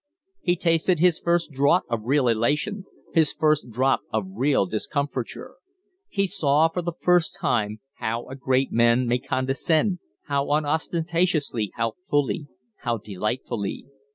He tasted his first draught of real elation, his first drop of real discomfiture. He saw for the first time how a great man may condescend how unostentatiously, how fully, how delightfully.